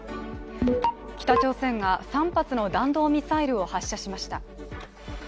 北朝鮮が３発の弾道ミサイルを発射しました。